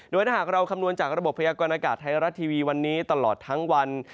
โดยถ้าหากเราคำนวณจากระบบพยากรณากาศไทยรัฐทีวีวันนี้ตลอดทั้งวัน